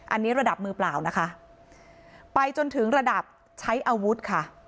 อันนี้ระดับมือเปล่านะคะไปจนถึงระดับใช้อาวุธค่ะ